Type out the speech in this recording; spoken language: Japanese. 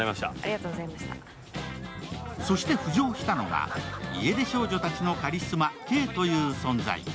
そして浮上したのが、家出少女たちのカリスマ・Ｋという存在。